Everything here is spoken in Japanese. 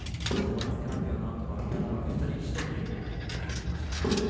そして番付発表のあとは部屋の幕下力士と稽古してきました。